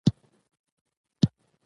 نشه مېړه یې ورپسې چيغې او نارې سر کړې وې.